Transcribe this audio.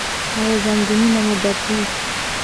ایا زنګونونه مو دردیږي؟